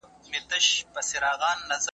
تاوان مې د صبر په مېوه بدل کړ.